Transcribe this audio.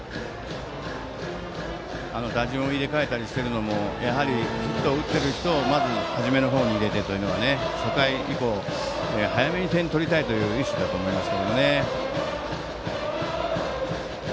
打順を入れ替えたりしてるのもヒットを打っている人をまず、初めのほうに入れてというのが初回以降早めに点を取りたいという意識だと思います。